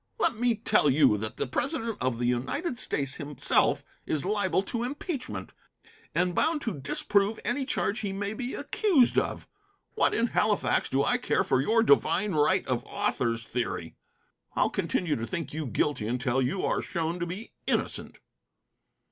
Let me tell you that the President of the United States himself is liable to impeachment, and bound to disprove any charge he may be accused of. What in Halifax do I care for your divine right of authors theory? I'll continue to think you guilty until you are shown to be innocent."